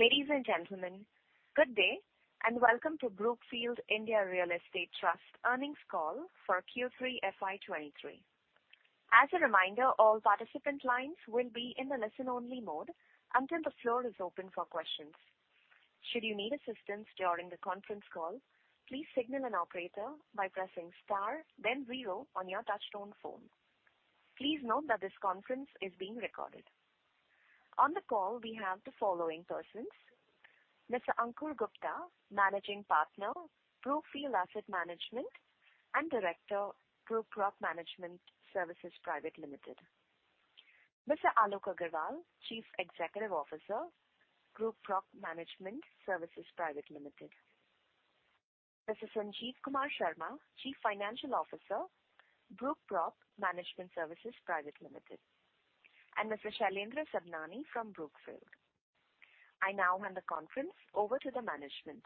Ladies and gentlemen, good day, and welcome to Brookfield India Real Estate Trust earnings call for Q3 FY23. As a reminder, all participant lines will be in the listen only mode until the floor is open for questions. Should you need assistance during the conference call, please signal an operator by pressing star then zero on your touchtone phone. Please note that this conference is being recorded. On the call, we have the following persons: Mr. Ankur Gupta, Managing Partner, Brookfield Asset Management and Director, Brookprop Management Services Private Limited. Mr. Alok Aggarwal, Chief Executive Officer, Brookprop Management Services Private Limited. Mr. Sanjeev Kumar Sharma, Chief Financial Officer, Brookprop Management Services Private Limited, and Mr. Shailendra Sabhnani from Brookfield. I now hand the conference over to the management.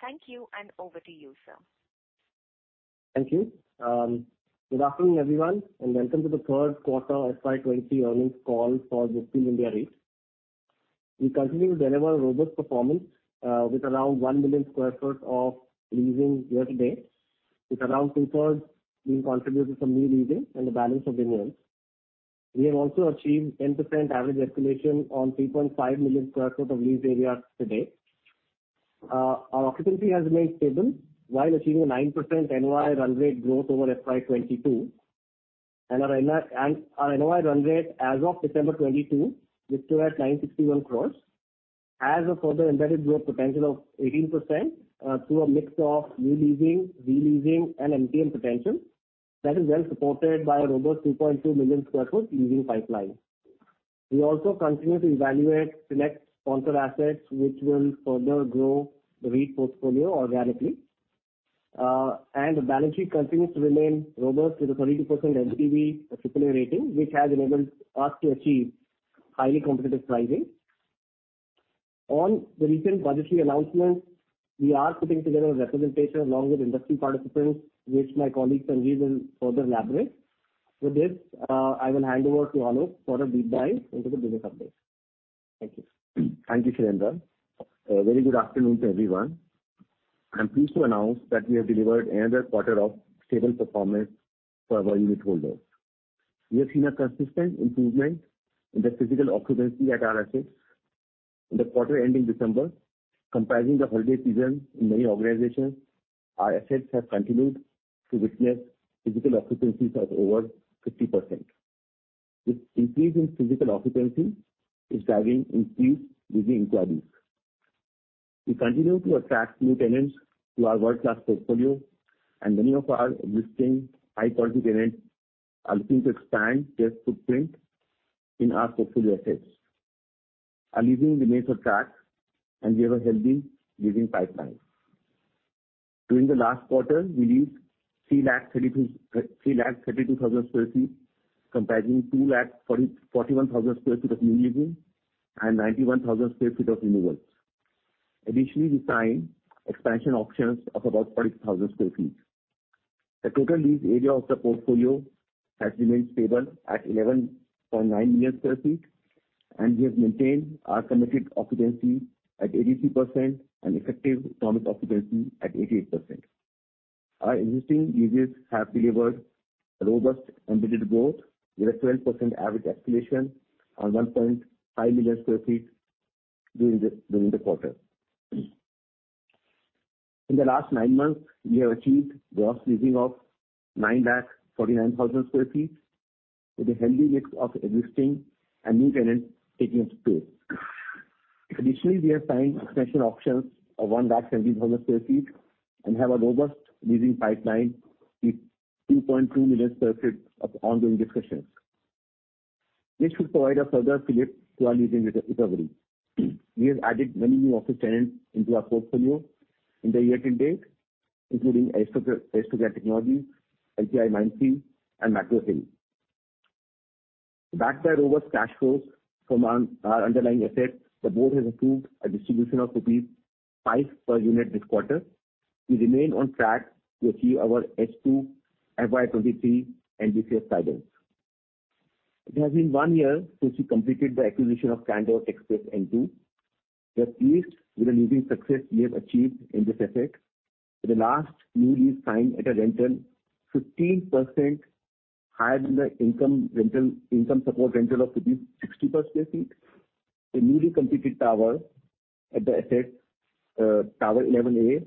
Thank you, and over to you, sir. Thank you. Good afternoon, everyone, and welcome to the third quarter FY23 earnings call for Brookfield India REIT. We continue to deliver robust performance, with around 1 million sq ft of leasing year to date, with around 2/3 being contributed from new leasing and the balance of renewals. We have also achieved 10% average escalation on 3.5 million sq ft of leased area to date. Our occupancy has remained stable while achieving a 9% NOI run rate growth over FY22. Our NOI run rate as of December 2022 stood at 961 crore. As of further embedded growth potential of 18%, through a mix of re-leasing, de-leasing and MTM potential that is well supported by a robust 2.2 million sq ft leasing pipeline. We also continue to evaluate select sponsor assets, which will further grow the REIT portfolio organically. The balance sheet continues to remain robust with a 32% LTV subsidiary rating, which has enabled us to achieve highly competitive pricing. On the recent budgetary announcements, we are putting together a representation along with industry participants, which my colleague Sanjeev will further elaborate. I will hand over to Alok for a deep dive into the business updates. Thank you. Thank you, Shailendra. A very good afternoon to everyone. I'm pleased to announce that we have delivered another quarter of stable performance for our unit holders. We have seen a consistent improvement in the physical occupancy at our assets. In the quarter ending December, comprising the holiday season in many organizations, our assets have continued to witness physical occupancies at over 50%. This increase in physical occupancy is driving increased leasing inquiries. We continue to attract new tenants to our world-class portfolio, and many of our existing high-quality tenants are looking to expand their footprint in our portfolio assets. Our leasing remains on track, and we have a healthy leasing pipeline. During the last quarter, we leased 332,000 square feet, comprising 241,000 square feet of new leasing and 91,000 square feet of renewals. Additionally, we signed expansion options of about 40,000 sq ft. The total leased area of the portfolio has remained stable at 11.9 million sq ft, and we have maintained our committed occupancy at 83% and effective economic occupancy at 88%. Our existing leases have delivered a robust embedded growth with a 12% average escalation on 1.5 million sq ft during the quarter. In the last nine months, we have achieved gross leasing of 949,000 sq ft with a healthy mix of existing and new tenants taking up space. Additionally, we have signed expansion options of 170,000 sq ft and have a robust leasing pipeline with 2.2 million sq ft of ongoing discussions. This should provide a further fillip to our leasing re-recovery. We have added many new office tenants into our portfolio in the year to date, including Aristocrat Technologies, LTIMindtree and Macromill. Backed by robust cash flows from our underlying assets, the board has approved a distribution of rupees 5 per unit this quarter. We remain on track to achieve our H2 FY23 NDCF guidance. It has been one year since we completed the acquisition of Candor TechSpace N2. We are pleased with the leasing success we have achieved in this asset, with the last new lease signed at a rental 15% higher than the income support rental of rupees 60 per sq ft. The newly completed tower at the asset, tower 11A,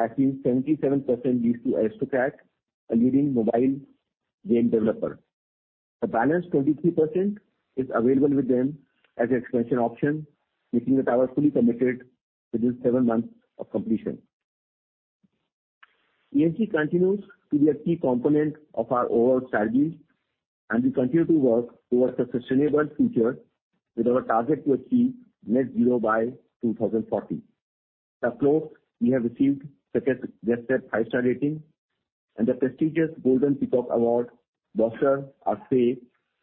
has seen 77% leased to Aristocrat, a leading mobile game developer. The balance 23% is available with them as an expansion option, making the tower fully committed within seven months of completion. ESG continues to be a key component of our overall strategy, and we continue to work towards a sustainable future with our target to achieve net zero by 2040. At close, we have received just a 5-star rating and the prestigious Golden Peacock Award both are say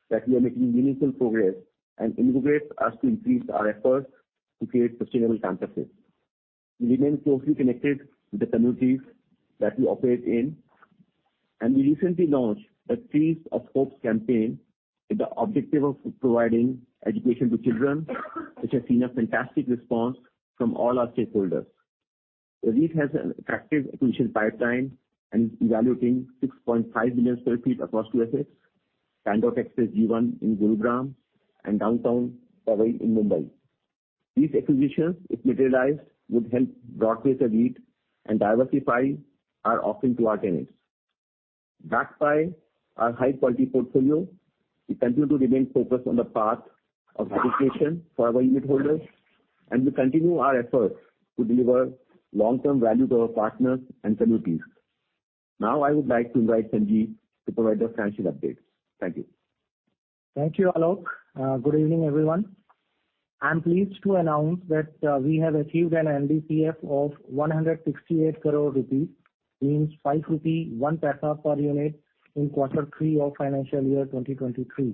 that we are making meaningful progress and motivates us to increase our efforts to create sustainable campuses. We remain closely connected with the communities that we operate in. We recently launched a Trees of Hope campaign with the objective of providing education to children, which has seen a fantastic response from all our stakeholders. The REIT has an attractive acquisition pipeline and is evaluating 6.5 million sq ft across two assets, Candor TechSpace G1 in Gurugram and Downtown Powai in Mumbai. These acquisitions, if materialized, would help broaden the REIT and diversify our offering to our tenants. Backed by our high-quality portfolio, we continue to remain focused on the path of education for our unit holders, we continue our efforts to deliver long-term value to our partners and communities. I would like to invite Sanjeev to provide the financial updates. Thank you. Thank you, Alok. Good evening, everyone. I'm pleased to announce that we have achieved an NDCF of 168 crore rupees, means 5.01 rupee per unit in Q3 of FY2023.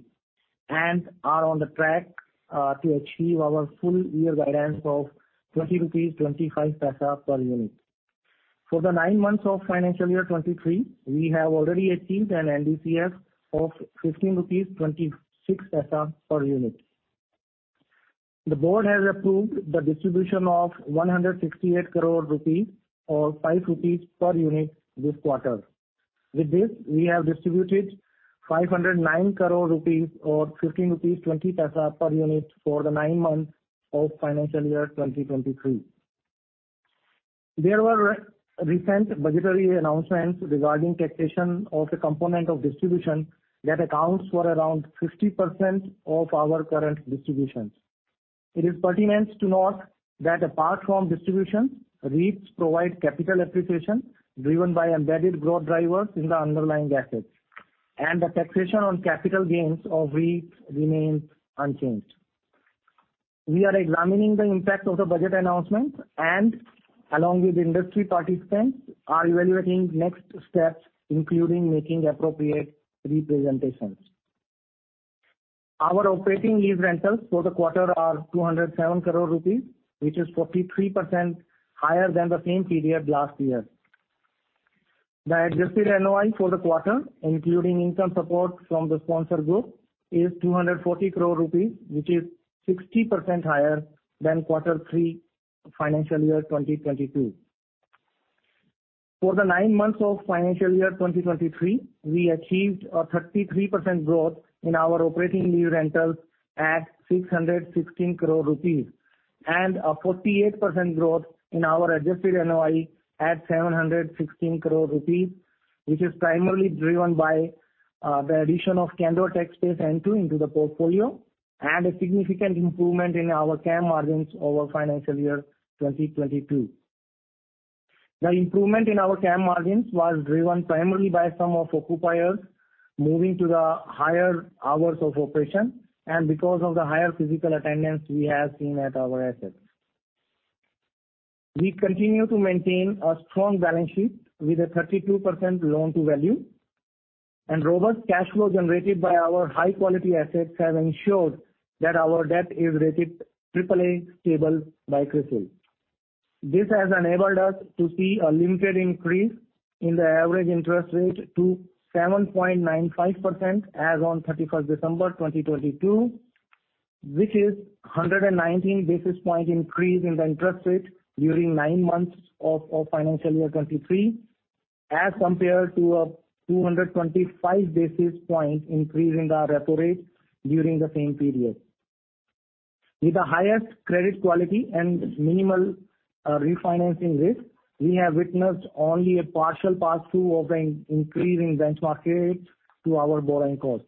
Are on the track to achieve our full year guidance of 20.25 rupees per unit. For the nine months of FY23, we have already achieved an NDPS of INR 15.26 per unit. The board has approved the distribution of 168 crore rupees or 5 rupees per unit this quarter. With this, we have distributed 509 crore rupees or 15.20 rupees per unit for the nine months of FY2023. There were recent budgetary announcements regarding taxation of the component of distribution that accounts for around 50% of our current distributions. It is pertinent to note that apart from distributions, REITs provide capital appreciation driven by embedded growth drivers in the underlying assets, and the taxation on capital gains of REIT remains unchanged. We are examining the impact of the budget announcement and, along with industry participants, are evaluating next steps, including making appropriate representations. Our operating lease rentals for the quarter are 207 crore rupees, which is 43% higher than the same period last year. The adjusted NOI for the quarter, including income support from the sponsor group, is 240 crore rupees, which is 60% higher than quarter three FY2022. For the nine months of financial year 2023, we achieved a 33% growth in our operating new rentals at 616 crore rupees, and a 48% growth in our adjusted NOI at 716 crore rupees, which is primarily driven by the addition of Candor TechSpace N2 to the portfolio and a significant improvement in our CAM margins over financial year 2022. The improvement in our CAM margins was driven primarily by some of occupiers moving to the higher hours of operation and because of the higher physical attendance we have seen at our assets. We continue to maintain a strong balance sheet with a 32% loan-to-value, and robust cash flow generated by our high-quality assets have ensured that our debt is rated AAA stable by Crisil. This has enabled us to see a limited increase in the average interest rate to 7.95% as on 31st December 2022, which is 119 basis point increase in the interest rate during nine months of financial year 2023, as compared to a 225 basis point increase in the repo rate during the same period. With the highest credit quality and minimal refinancing risk, we have witnessed only a partial pass-through of an increase in benchmark rates to our borrowing costs.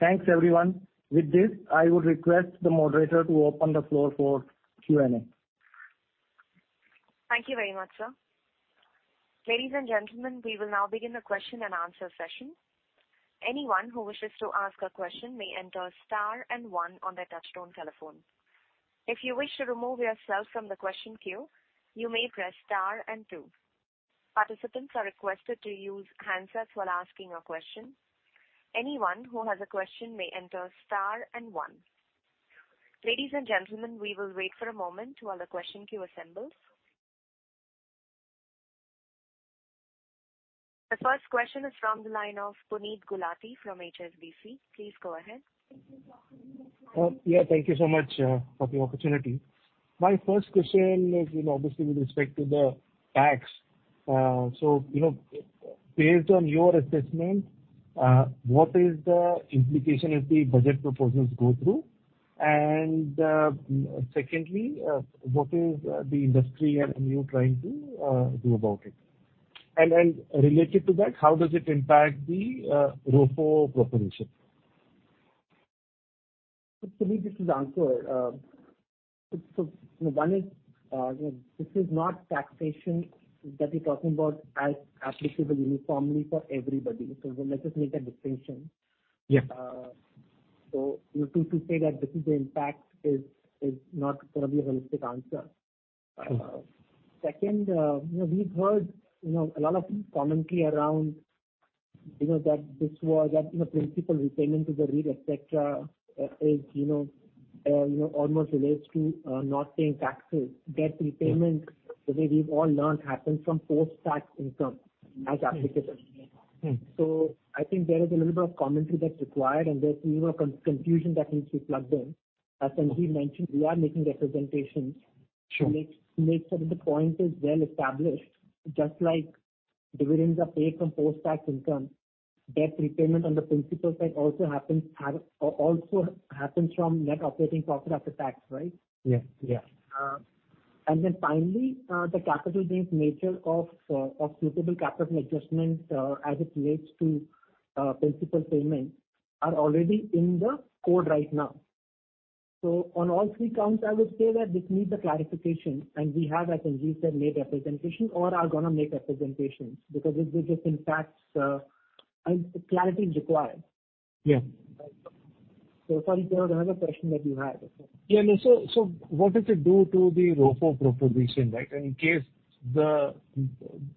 Thanks, everyone. With this, I would request the moderator to open the floor for Q&A. Thank you very much, sir. Ladies and gentlemen, we will now begin the question-and-answer session. Anyone who wishes to ask a question may enter star and one on their touch-tone telephone. If you wish to remove yourself from the question queue, you may press star and two. Participants are requested to use handsets while asking a question. Anyone who has a question may enter star and one. Ladies and gentlemen, we will wait for a moment while the question queue assembles. The first question is from the line of Puneet Gulati from HSBC. Please go ahead. Yeah, thank you so much for the opportunity. My first question is, you know, obviously with respect to the tax. You know, based on your assessment, what is the implication if the budget proposals go through? Secondly, what is the industry and you trying to do about it? Related to that, how does it impact the ROFO proposition? Let me just answer. One is, you know, this is not taxation that we're talking about as applicable uniformly for everybody. Let us make that distinction. Yeah. To say that this is not gonna be a holistic answer. Okay. Second, you know, we've heard, you know, a lot of commentary around. You know, that this was, you know, principal repayment to the REIT, et cetera, is, you know, almost relates to not paying taxes. Debt repayments, the way we've all learned, happens from post-tax income as applicable. Mm-hmm. I think there is a little bit of commentary that's required and there's, you know, confusion that needs to be plugged in. As Sanjeev mentioned, we are making representations... Sure. to make sure that the point is well established. Just like dividends are paid from post-tax income, debt repayment on the principal side also happens from net operating profit after tax, right? Yes. Yes. Finally, the capital-based nature of suitable capital adjustments, as it relates to principal payments are already in the code right now. On all three counts, I would say that this needs a clarification and we have, as Sanjeev said, made representations or are gonna make representations because it impacts... Clarity is required. Yeah. Sorry, Puneet, another question that you had. Yeah, no. What does it do to the ROFO proposition, right? In case there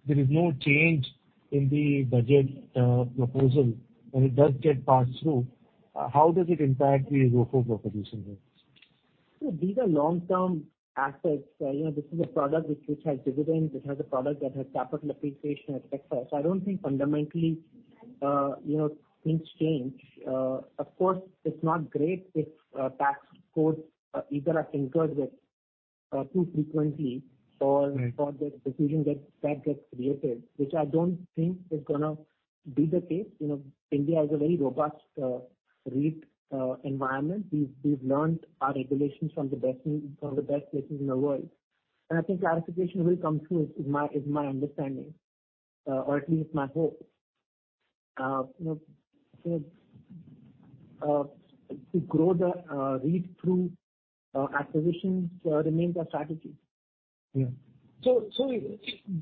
is no change in the budget proposal and it does get passed through, how does it impact the ROFO proposition then? These are long-term assets. You know, this is a product which has dividends. It has a product that has capital appreciation, et cetera. I don't think fundamentally, you know, things change. Of course, it's not great if tax codes either are tinkered with too frequently. Mm-hmm. for the confusion that gets created, which I don't think is gonna be the case. You know, India has a very robust REIT environment. We've learned our regulations from the best places in the world. I think clarification will come through is my understanding, or at least my hope. You know, to grow the REIT through acquisitions remains our strategy. So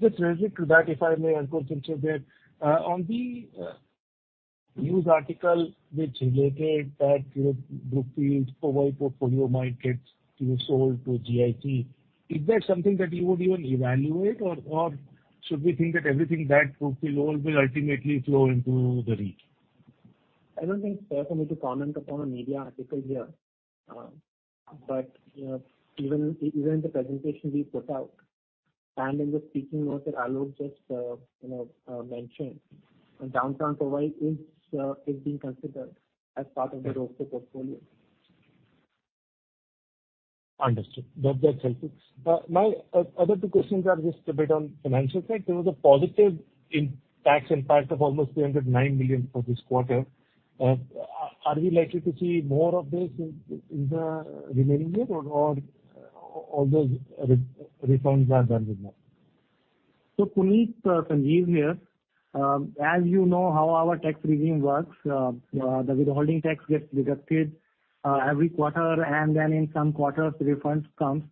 just related to that, if I may, Ankur, interject on the news article which related that, you know, Brookfield Powai portfolio might get, you know, sold to GIC. Is that something that you would even evaluate or should we think that everything that Brookfield own will ultimately flow into the REIT? I don't think it's fair for me to comment upon a media article here. You know, even in the presentation we put out and in the speaking notes that Alok just, you know, mentioned, Downtown Powai is being considered as part of the ROFO portfolio. Understood. That's helpful. My other two questions are just a bit on financial side. There was a positive in tax impact of almost 309 million for this quarter. Are we likely to see more of this in the remaining year or all those re-refunds are done with now? Puneet, Sanjeev here. As you know how our tax regime works, the withholding tax gets deducted every quarter and then in some quarters refunds comes.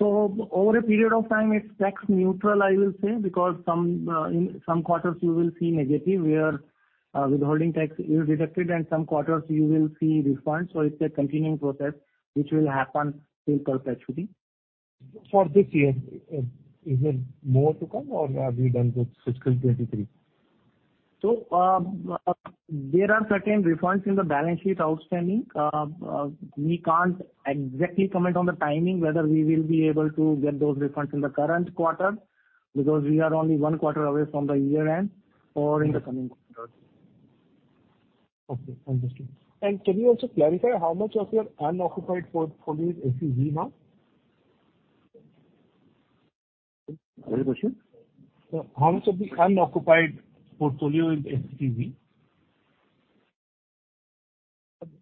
Over a period of time it's tax neutral I will say because some, in some quarters you will see negative where withholding tax is deducted and some quarters you will see refunds. It's a continuing process which will happen till perpetuity. For this year, is there more to come or are we done with fiscal 2023? There are certain refunds in the balance sheet outstanding. We can't exactly comment on the timing whether we will be able to get those refunds in the current quarter because we are only one quarter away from the year-end or in the coming quarters. Okay. Understood. Can you also clarify how much of your unoccupied portfolio is ACV now? Sorry, the question? How much of the unoccupied portfolio is ACV?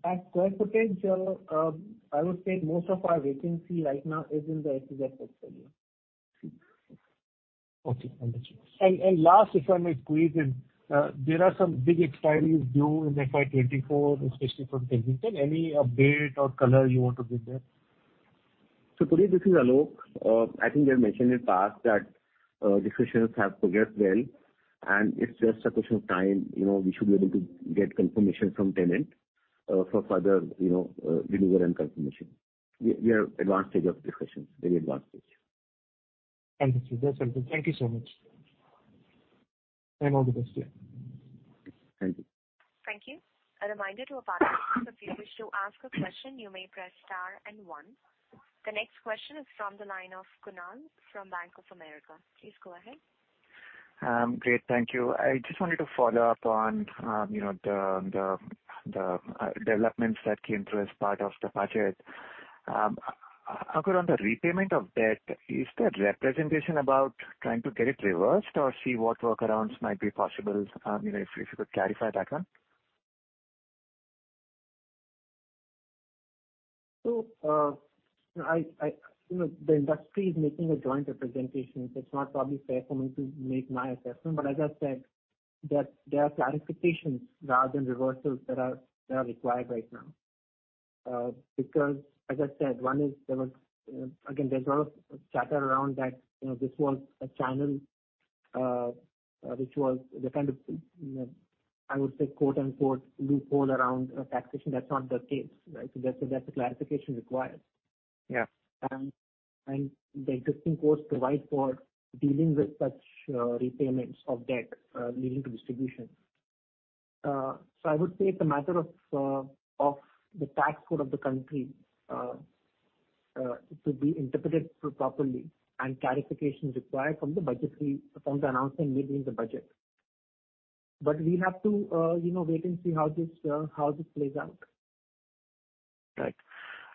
As square footage, I would say most of our vacancy right now is in the ACV portfolio. Okay. Understood. Last if I may squeeze in. There are some big expiries due in FY 2024, especially from Tech Mahindra. Any update or color you want to give there? Puneet, this is Alok. I think we have mentioned in the past that discussions have progressed well and it's just a question of time. You know, we should be able to get confirmation from tenant for further, you know, delivery and confirmation. We are advanced stage of discussions. Very advanced stage. Understood. That's helpful. Thank you so much. All the best to you. Thank you. Thank you. A reminder to our participants, if you wish to ask a question you may press star and one. The next question is from the line of Kunal from Bank of America. Please go ahead. Great. Thank you. I just wanted to follow up on, you know, the developments that came through as part of the budget. Ankur, on the repayment of debt, is there representation about trying to get it reversed or see what workarounds might be possible? You know, if you could clarify that one. I, you know, the industry is making a joint representation. It's not probably fair for me to make my assessment. As I said that there are clarifications rather than reversals that are required right now. Because as I said, one is there was, again, there's a lot of chatter around that, you know, this was a channel, which was the kind of, you know, I would say, quote, unquote, "loophole around taxation." That's not the case, right? That's the clarification required. Yeah. The existing course provide for dealing with such repayments of debt leading to distribution. I would say it's a matter of the tax code of the country to be interpreted properly and clarification required from the announcement made during the budget. We have to, you know, wait and see how this plays out. Right.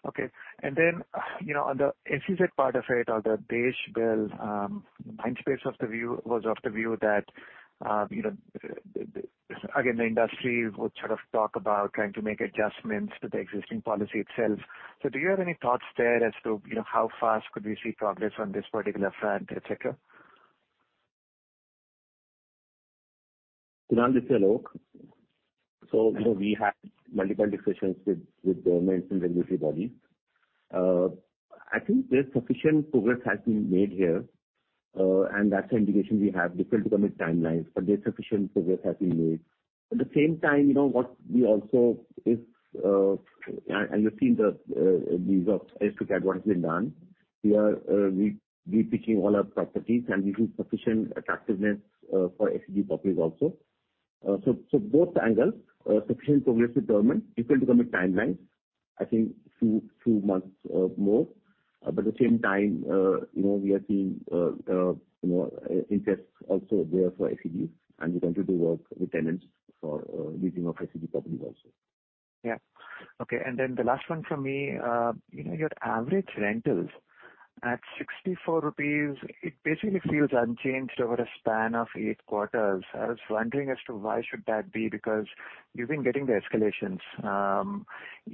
Okay. Then, you know, on the FCD part of it or the base bill, Mindspace was of the view that, you know, Again, the industry would sort of talk about trying to make adjustments to the existing policy itself. Do you have any thoughts there as to, you know, how fast could we see progress on this particular front, et cetera? Kunal, this is Alok. You know, we had multiple discussions with the maintenance regulatory body. I think there's sufficient progress has been made here, and that's the indication we have. Difficult to commit timelines, there's sufficient progress has been made. At the same time, you know, what we also if, and you've seen the results as to what has been done. We are repitching all our properties and we see sufficient attractiveness for FCD properties also. Both angles, sufficient progress with government. Difficult to commit timelines. I think two months more. At the same time, you know, we are seeing interest also there for FCD and we continue to work with tenants for leasing of FCD properties also. Yeah. Okay. The last one from me. you know, your average rentals at 64 rupees, it basically feels unchanged over a span of eight quarters. I was wondering as to why should that be, because you've been getting the escalations.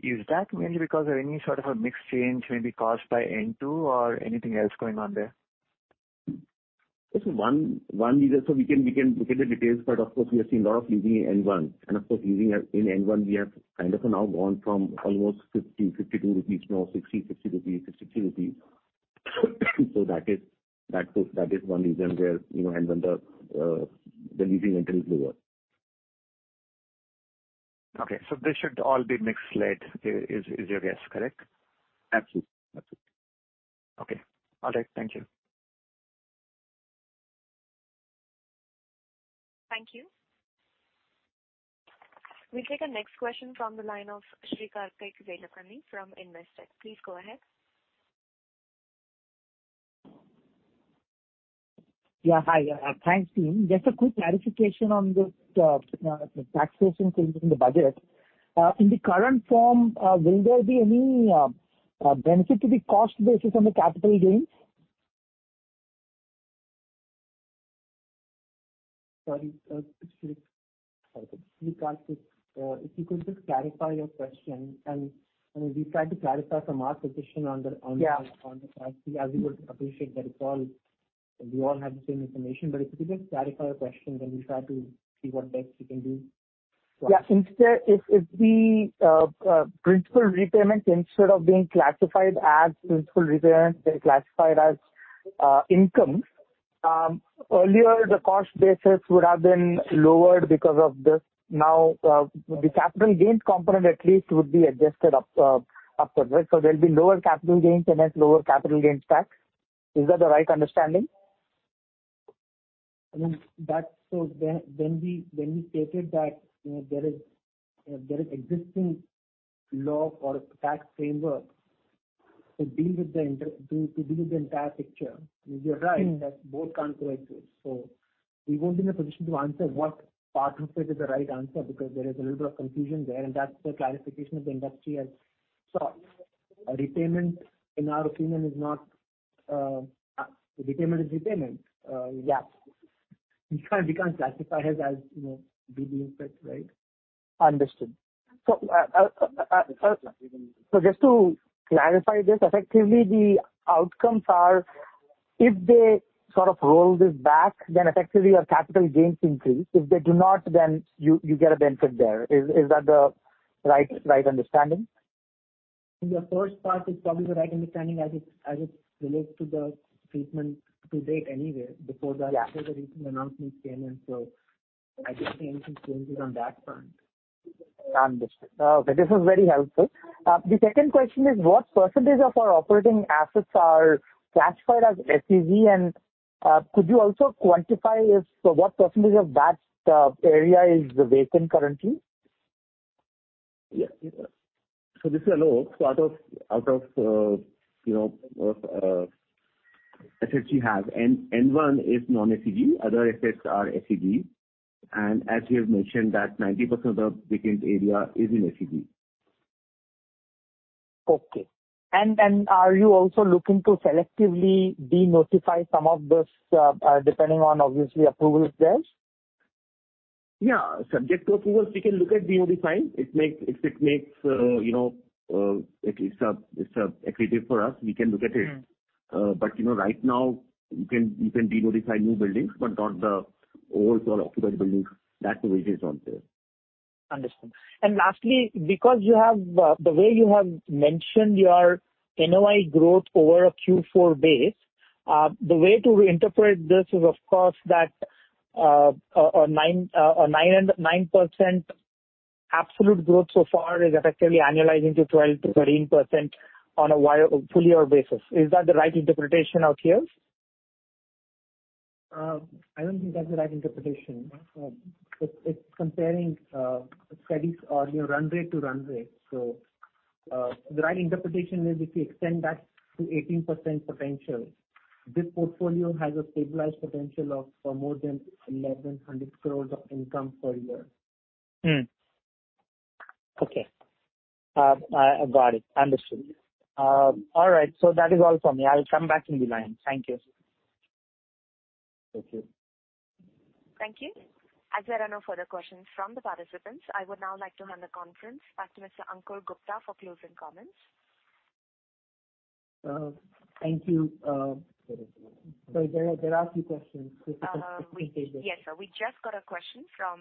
Is that mainly because of any sort of a mix change maybe caused by N2 or anything else going on there? This is one reason. We can look at the details, but of course we have seen a lot of leasing in N1. Of course, leasing in N1 we have kind of now gone from almost 50-52 rupees now 60, 62 rupees. That is one reason where, you know, when the leasing entry is lower. Okay. This should all be mix led, is your guess, correct? Absolutely. Absolutely. Okay. All right. Thank you. Thank you. We'll take our next question from the line of Sri Karthik Velamakanni from Investec. Please go ahead. Yeah. Hi. Thanks team. Just a quick clarification on this taxations in the budget. In the current form, will there be any benefit to the cost basis on the capital gains? Sorry, Sri Karthik, if you could just clarify your question and, I mean, we tried to clarify from our position on the. Yeah. On the tax. We, as you would appreciate that. We all have the same information. If you could just clarify your question, then we'll try to see what best we can do. Yeah. Instead if the principal repayments instead of being classified as principal repayments, they're classified as income. Earlier the cost basis would have been lowered because of this. Now, the capital gains component at least would be adjusted up upwards, right? There'll be lower capital gains and thus lower capital gains tax. Is that the right understanding? I mean, that's when we stated that, you know, there is existing law or tax framework to deal with the entire picture. You're right. Mm-hmm. That both can't co-exist. We won't be in a position to answer what part of it is the right answer, because there is a little bit of confusion there, and that's the clarification that the industry has sought. A repayment, in our opinion, is not repayment is repayment. Yeah. We can't classify it as, you know, BB impact, right? Understood. Just to clarify this, effectively the outcomes are if they sort of roll this back then effectively your capital gains increase. If they do not, then you get a benefit there. Is that the right understanding? The first part is probably the right understanding as it relates to the treatment to date anyway. Yeah. Before the recent announcement came in. I don't see any changes on that front. Understood. Okay, this is very helpful. The second question is what percentage of our operating assets are classified as FCD? Could you also quantify if, so what percentage of that area is vacant currently? Yeah. This is Alok. Out of, you know, FCD we have, N1 is non-FCD. Other assets are FCD. As we have mentioned that 90% of vacant area is in FCD. Okay. Are you also looking to selectively denotify some of this, depending on obviously approvals there? Yeah. Subject to approvals, we can look at denotify. If it makes, you know, it's accretive for us, we can look at it. Mm-hmm. You know, right now you can denotify new buildings, but not the old or occupied buildings. That route is not there. Understood. Lastly, because you have, the way you have mentioned your NOI growth over a Q4 base, the way to interpret this is of course that, 9% absolute growth so far is effectively annualizing to 12%-13% on a full year basis. Is that the right interpretation out here? I don't think that's the right interpretation. It's comparing studies or, you know, run rate to run rate. The right interpretation is if you extend that to 18% potential, this portfolio has a stabilized potential of more than 1,100 crore of income per year. Okay. I got it. Understood. All right, that is all for me. I will come back in the line. Thank you. Thank you. Thank you. As there are no further questions from the participants, I would now like to hand the conference back to Mr. Ankur Gupta for closing comments. Thank you. Sorry, there are a few questions. Yes, sir. We just got a question from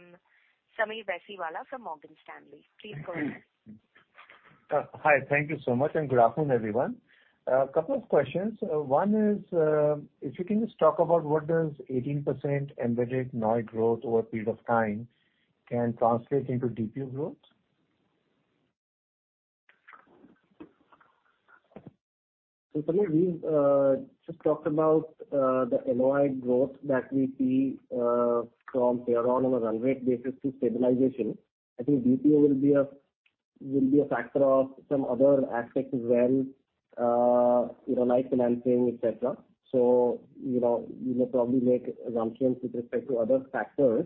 Sameer Baisiwala from Morgan Stanley. Please go ahead. Hi. Thank you so much, and good afternoon, everyone. A couple of questions. One is, if you can just talk about what does 18% embedded NOI growth over a period of time can translate into DPU growth? Sameer, we've just talked about the NOI growth that we see from here on a run rate basis to stabilization. I think DPU will be a factor of some other aspects as well, you know, like financing, et cetera. You know, you may probably make assumptions with respect to other factors,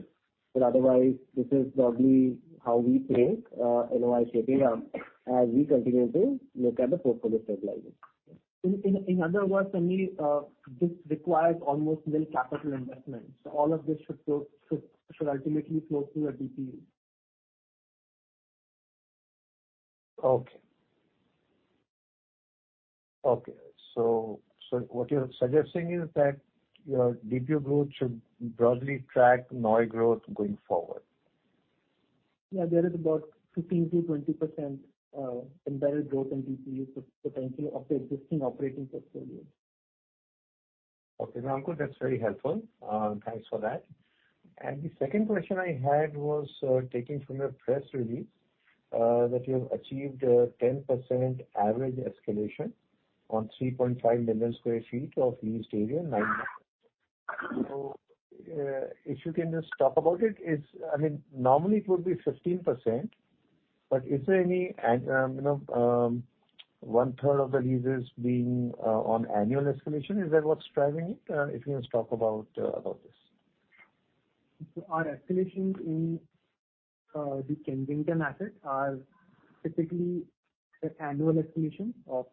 but otherwise this is probably how we think NOI shaping up as we continue to look at the portfolio stabilizing. In other words, Sameer, this requires almost nil capital investment, so all of this should ultimately flow through a DPU. Okay. What you're suggesting is that your DPU growth should broadly track NOI growth going forward. Yeah. There is about 15%-20% embedded growth in DPU potential of the existing operating portfolio. Okay. Now Ankur, that's very helpful. Thanks for that. The second question I had was, taking from your press release, that you have achieved 10% average escalation on 3.5 million sq ft of leased area nine months. If you can just talk about it. I mean, normally it would be 15%, but is there any... And, you know, 1/3 of the leases being on annual escalation, is that what's driving it? If you can just talk about this. Our escalations in the Kensington asset are typically an annual escalation of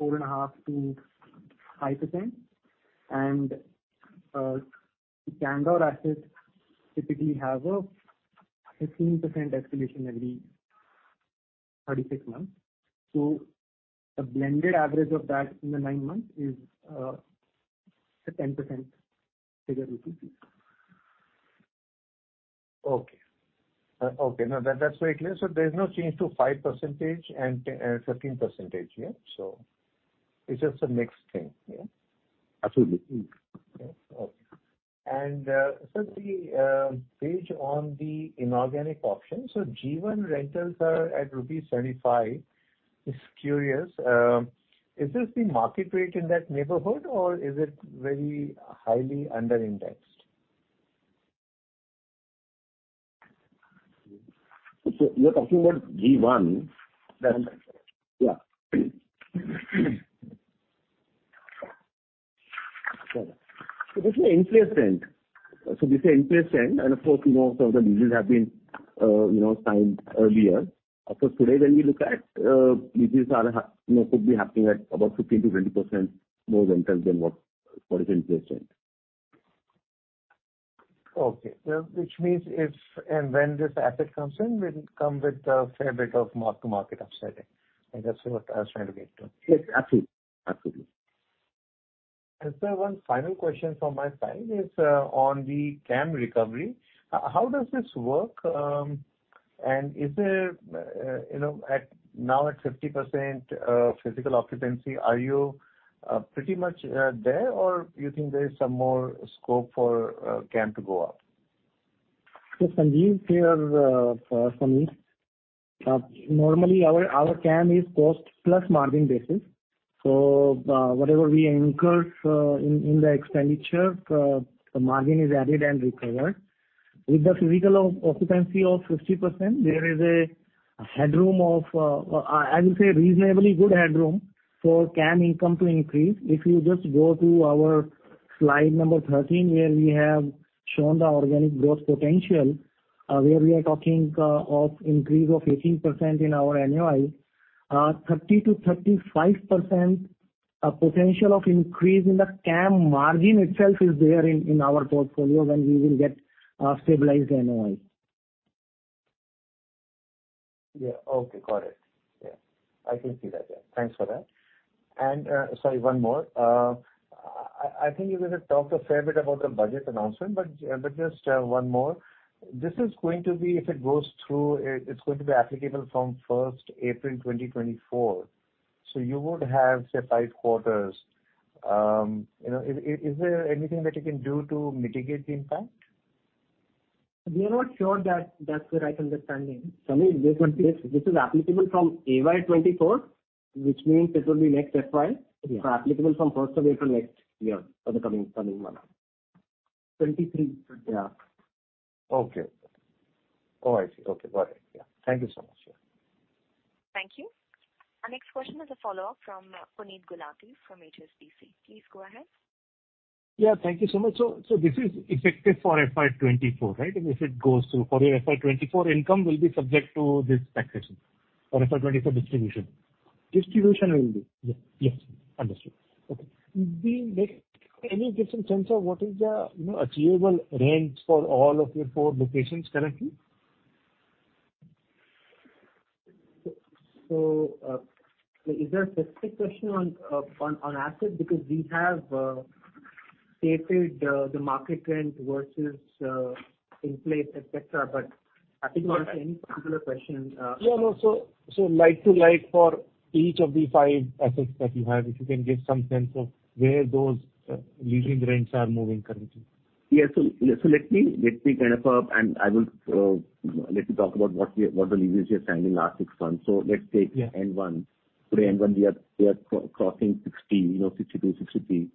4.5%-5%. The Candor assets typically have a 15% escalation every 36 months. The blended average of that in the nine months is a 10% figure, rupees. Okay. Okay. No, that's very clear. There's no change to 5% and 13%, yeah? It's just a mixed thing. Yeah? Absolutely. Okay. Just the page on the inorganic options. G1 rentals are at rupees 75. Just curious, is this the market rate in that neighborhood or is it very highly under indexed? You're talking about G1? Yes. Yeah. This is an inflation. This is an inflation and of course, you know, some of the leases have been, you know, signed earlier. Of course, today, when we look at, leases are you know, could be happening at about 15%-20% more rentals than what is inflation. Okay. Well, which means if and when this asset comes in, will come with a fair bit of mark to market upsetting. I guess that's what I was trying to get to. Yes. Absolutely. Absolutely. Sir, one final question from my side is on the CAM recovery. How does this work? Is there, you know, now at 50% physical occupancy, are you pretty much there or you think there is some more scope for CAM to go up? Yes, Sanjeev here. Sameer. Normally our CAM is cost plus margin basis. Whatever we incur in the expenditure, the margin is added and recovered. With the physical occupancy of 50% there is a headroom of, I will say reasonably good headroom for CAM income to increase. If you just go to our slide number 13, where we have shown the organic growth potential, where we are talking of increase of 18% in our NOI, 30%-35% potential of increase in the CAM margin itself is there in our portfolio when we will get stabilized NOI. Yeah. Okay. Got it. Yeah, I can see that there. Thanks for that. Sorry, one more. I think you're going to talk a fair bit about the budget announcement, but just one more. This is going to be, if it goes through, it's going to be applicable from 1st April 2024. You would have, say, five quarters- You know, is there anything that you can do to mitigate the impact? We are not sure that that's the right understanding. Sameer, this one here, this is applicable from AY 24, which means it will be next FY. Yeah. Applicable from 1st of April next year for the coming month. Twenty-three. Yeah. Okay. Oh, I see. Okay, got it. Yeah. Thank you so much. Thank you. Our next question is a follow-up from Puneet Gulati from HSBC. Please go ahead. Yeah, thank you so much. This is effective for FY24, right? If it goes through for your FY24 income will be subject to this taxation for FY24 distribution. Distribution will be. Yes. Yes. Understood. Okay, do you make any different sense of what is the, you know, achievable range for all of your four locations currently? Is there a specific question on assets? Because we have stated the market rent versus in place, et cetera. I think you want any particular question. No, no. Like to like for each of the five assets that you have, if you can give some sense of where those leasing rents are moving currently. Yeah. Let me kind of, and I will, let me talk about what we are, what the leases we have signed in the last six months. Let's take- Yeah. N1. Today N1 we are, we are crossing 60, you know, 62, 63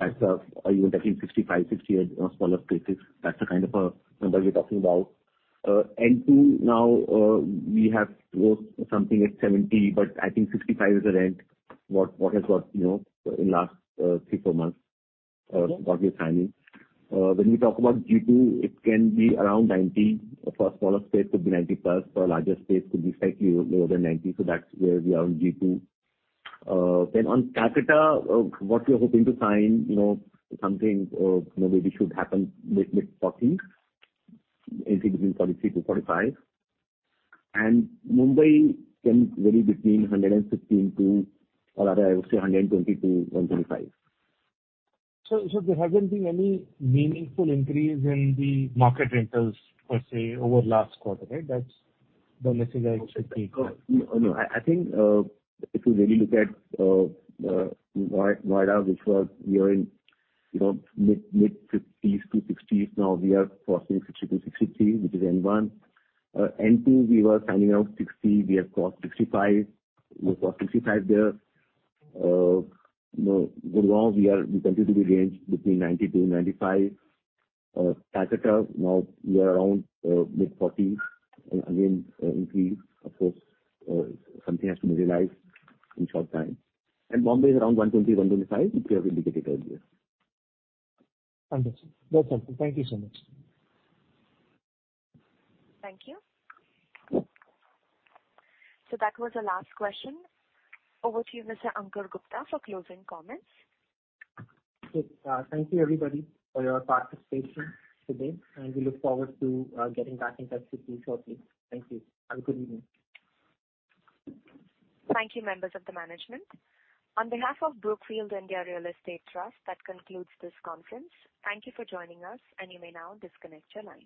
as of even I think 65, 68 on smaller spaces. That's the kind of number we're talking about. N2 now, we have crossed something at 70, but I think 65 is the rent. What has got, you know, in last three, four months, what we are signing. When we talk about G2, it can be around 90. For a smaller space could be 90 plus. For a larger space could be slightly lower than 90. That's where we are on G2. On Capita, what we are hoping to sign, you know, something, you know, maybe should happen mid-INR 14, anything between 43-45. Mumbai can vary between 116 to or rather I would say 120-125. There hasn't been any meaningful increase in the market rentals per se over the last quarter, right? That's the message I should take home. No, I think, if you really look at Wada, which was we are in, you know, mid-INR 60s-INR 60s, now we are crossing 60-63, which is N1. N2 we were signing out 60, we have crossed 65. We've got 65 there. You know, Gurgaon we are, we continue to be range between 92 and 95. Capita now we are around mid-INR 40s. Again, increase of course, something has to be realized in short time. Bombay is around 120, 125, which we have indicated earlier. Understood. That's helpful. Thank you so much. Thank you. That was the last question. Over to you, Mr. Ankur Gupta for closing comments. Yes. Thank you, everybody for your participation today. We look forward to getting back in touch with you shortly. Thank you. Have a good evening. Thank you, members of the management. On behalf of Brookfield India Real Estate Trust, that concludes this conference. Thank you for joining us, and you may now disconnect your lines.